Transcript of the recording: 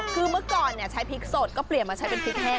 คือเมื่อก่อนใช้พริกสดก็เปลี่ยนมาใช้เป็นพริกแห้ง